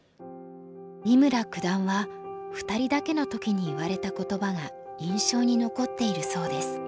三村九段は２人だけの時に言われた言葉が印象に残っているそうです。